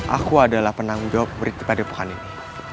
aku adalah penang jawab berikut pada pukul ini